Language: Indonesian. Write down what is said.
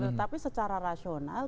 tetapi secara rasional